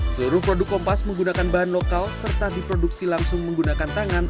seluruh produk kompas menggunakan bahan lokal serta diproduksi langsung menggunakan tangan